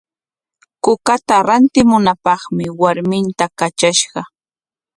Kukata rantimunapaqmi warminta katrashqa.